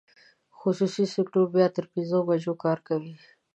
خصوصي سکټور بیا تر پنځو بجو کار کوي.